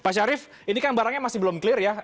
pak syarif ini kan barangnya masih belum clear ya